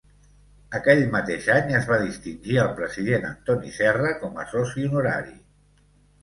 Aquell mateix any es va distingir al president Antoni Serra com a soci honorari.